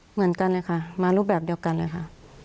เหมือนกันเลยค่ะมารูปแบบเดียวกันเลยค่ะ